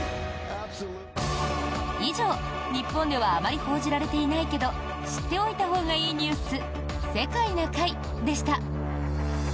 以上、日本ではあまり報じられていないけど知っておいたほうがいいニュース「世界な会」でした。